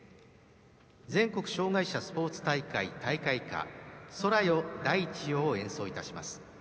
全国障害者スポーツ大会大会歌「空よ大地よ」を演奏いたします。